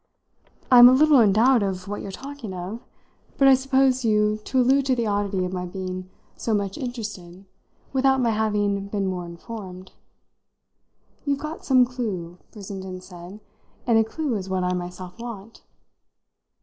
"I'm a little in doubt of what you're talking of, but I suppose you to allude to the oddity of my being so much interested without my having been more informed." "You've got some clue," Brissenden said; "and a clue is what I myself want."